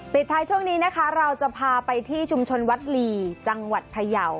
ปิดท้ายช่วงนี้นะคะเราจะพาไปที่ชุมชนวัดหลีจังหวัดพยาว